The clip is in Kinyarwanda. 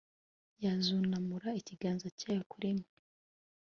yazunamura ikiganza cyayo kuri mwe